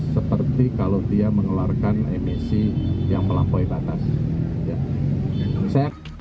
seperti kalau dia menularkan emisi yang melampaui batas